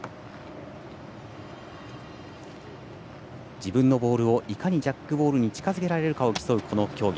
自分のボールをいかにジャックボールに近づけられるか競うこの競技。